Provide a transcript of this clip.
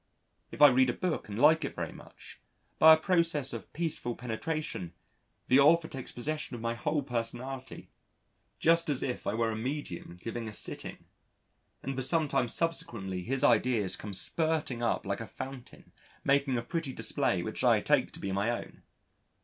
If I read a book and like it very much, by a process of peaceful penetration, the author takes possession of my whole personality just as if I were a medium giving a sitting, and for some time subsequently his ideas come spurting up like a fountain making a pretty display which I take to be my own.